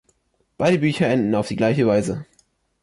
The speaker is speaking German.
Beide Bücher enden auf die gleiche Weise.